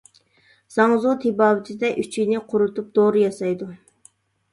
زاڭزۇ تېبابىتىدە ئۈچىيىنى قۇرۇتۇپ دورا ياسايدۇ.